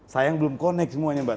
sayang belum connect semuanya mbak